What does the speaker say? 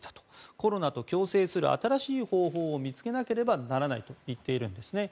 コロナと共生する新しい方法を見つけなければならないと言っているんですね。